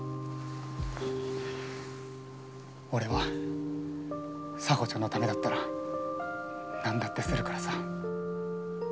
俺は沙帆ちゃんのためだったら何だってするからさ。